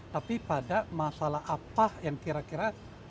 tapi pada masalah apa yang kira kira akan menimbulkan